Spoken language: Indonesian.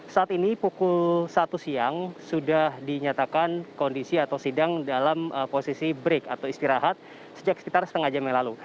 saat ini pukul satu siang sudah dinyatakan kondisi atau sidang dalam posisi break atau istirahat sejak sekitar setengah jam yang lalu